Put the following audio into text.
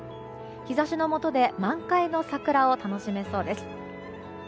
日差しのもとで満開の桜を楽しめそうです。